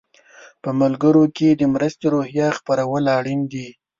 په ملګرو کې د مرستې روحیه خپرول اړین دي.